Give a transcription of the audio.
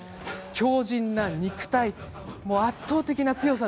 強じんな肉体そして、圧倒的な強さ。